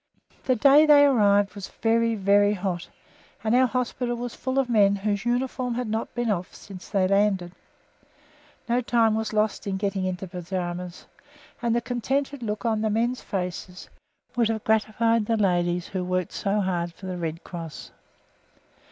The day they arrived was very, very hot, and our hospital was full of men whose uniform had not been off since they landed. No time was lost in getting into the pyjamas, and the contented look on the men's faces would have gratified the ladies who worked so hard for the Red Cross.